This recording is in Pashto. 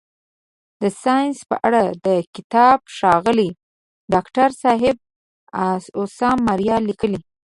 د ساینس په اړه دا کتاب ښاغلي داکتر صاحب عاصم مایار لیکلی.